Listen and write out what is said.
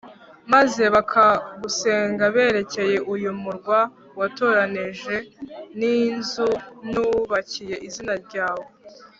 maze bakagusenga berekeye uyu murwa watoranije n'inzu nubakiye izina ryawe